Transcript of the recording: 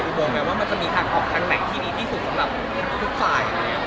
รูปวงแม้ว่ามันจะมีทางออกทางไหนที่ดีที่สุดสำหรับทุกฝ่าย